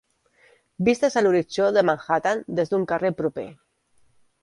Vistes a l'horitzó de Manhattan des d'un carrer proper.